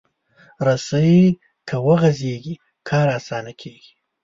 رسۍ که وغځېږي، کار اسانه کېږي.